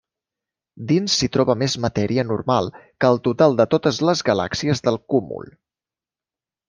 Dins s'hi troba més matèria normal que el total de totes les galàxies del cúmul.